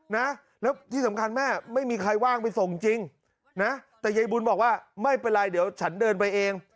นะแล้วที่สำคัญแม่ไม่มีใครว่างไปส่งจริงนะแต่ยายบุญบอกว่าไม่เป็นไรเดี๋ยวฉันเดินไปเอง